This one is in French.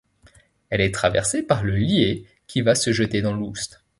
Elle est traversée par le Lié qui va se jeter dans l'Oust.